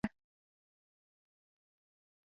د پکتیکا په ارګون کې د کرومایټ نښې شته.